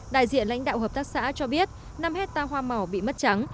đại diện lãnh đạo hợp tác xã cho biết năm hectare hoa màu bị mất trắng